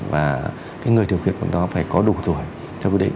và người điều khiển bằng đó phải có đủ tuổi theo quy định